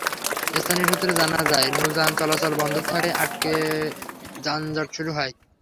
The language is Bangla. স্থানীয় সূত্রে জানা যায়, নৌযান চলাচল বন্ধ থাকায় ঘাটে যানজট শুরু হয়।